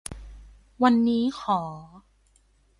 วันนี้ขอ